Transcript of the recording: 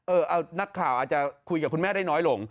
เอานักข่าวอาจจะคุยกับคุณแม่ได้น้อยลง